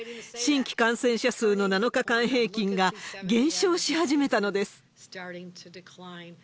新規感染者数の７日間平均が、減少し始めたのです。